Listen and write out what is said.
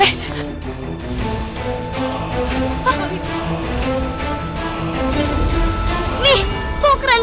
rafa masih terserang